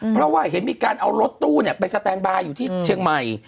เพราะว่าเห็นมีการเอารถตู้ไปสแตนบาร์อยู่ที่เชียงใหม่